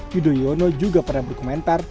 yudhoyono juga pernah berkomentar